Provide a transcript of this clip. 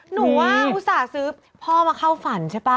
หนูว่าอุตส่าห์ซื้อพ่อมาเข้าฝันใช่ป่ะ